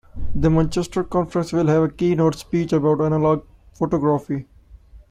The Manchester conference will have a keynote speech about analogue photography.